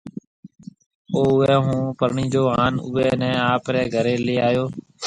او اُوئي هون پرڻيجو ھانَ اُوئي نَي آپرَي گھري لي آيو هيَ۔